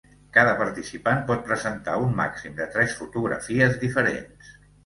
Cada participant pot presentar un màxim de tres fotografies diferents.